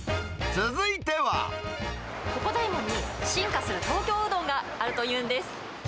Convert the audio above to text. ここ、大門に進化する東京うどんがあるというんです。